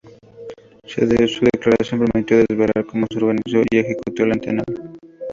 Su declaración permitió desvelar cómo se organizó y ejecutó el atentado.